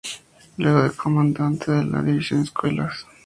Luego fue comandante de la División Escuelas.